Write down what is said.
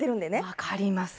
分かります。